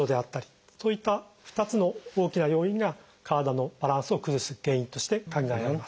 そういった２つの大きな要因が体のバランスを崩す原因として考えられます。